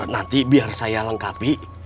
nanti biar saya lengkapi